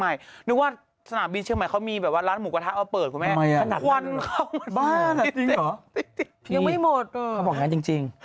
พี่พี่ยังไม่หมดเขาบอกอย่างนั้นจริง